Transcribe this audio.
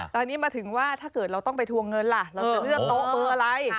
ตอนนี้มาถึงว่าถ้าเกิดเราต้องไปทวงเงินล่ะเราจะเลือกโต๊ะเบอร์อะไร